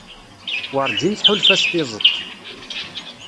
Werǧin tḥulfa s tiẓeṭ.